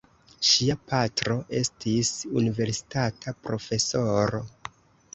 Ŝia patro estis universitata profesoro.